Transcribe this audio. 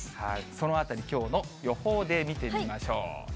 そのあたり、きょうの予報で見てみましょう。